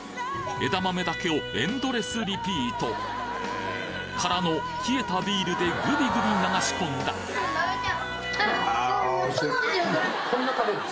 枝豆だけをエンドレスリピートからの冷えたビールでグビグビ流し込んだあるのに。